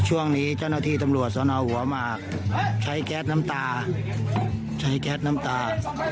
ช่วงนี้เจ้าหน้าที่ตำรวจสนหัวหมากใช้แก๊สน้ำตาใช้แก๊สน้ำตา